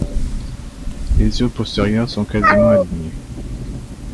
Les yeux postérieurs sont quasiment alignés.